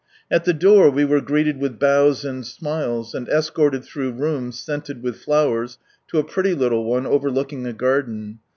At the door we were greeted with bows and smiles, and escorted through rooms scented with flowers, to a pretty little one overlooking a garden.